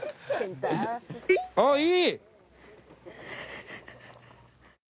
あっいい！